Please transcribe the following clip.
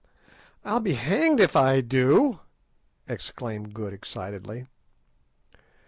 "I'll be hanged if I do!" exclaimed Good excitedly.